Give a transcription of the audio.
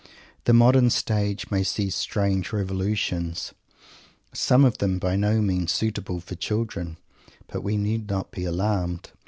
The modern Stage may see strange revolutions, some of them by no means suitable to children but we need not be alarmed.